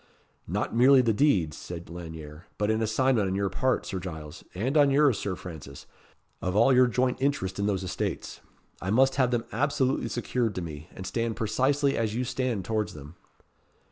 "Not merely the deeds," said Lanyere; "but an assignment on your part, Sir Giles, and on yours, Sir Francis, of all your joint interest in those estates. I must have them absolutely secured to me; and stand precisely as you stand towards them."